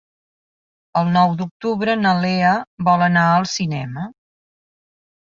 El nou d'octubre na Lea vol anar al cinema.